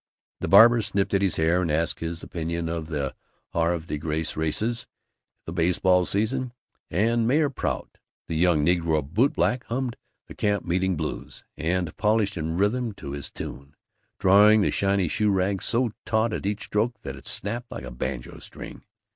The barber snipped at his hair and asked his opinion of the Havre de Grace races, the baseball season, and Mayor Prout. The young negro bootblack hummed "The Camp Meeting Blues" and polished in rhythm to his tune, drawing the shiny shoe rag so taut at each stroke that it snapped like a banjo string.